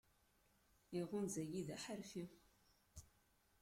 Iɣunza-yi, d aḥeṛfi.